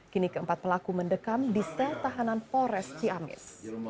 kini keempat pelaku mendekam di setahanan polres ciamis